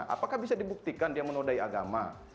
apakah bisa dibuktikan dia menodai agama